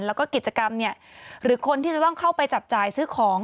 แล้วก็กิจกรรมเนี่ยหรือคนที่จะต้องเข้าไปจับจ่ายซื้อของ